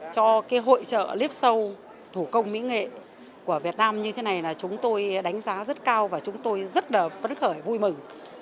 cho cái hội trợ liếp sầu thủ công mỹ nghệ của việt nam như thế này là chúng tôi đánh giá rất cao và chúng tôi rất là phấn khởi vui mừng